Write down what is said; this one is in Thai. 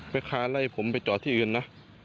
ค้าไล่ผมไปจอดที่อื่นนะ